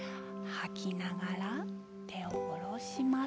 吐きながら手を下ろします。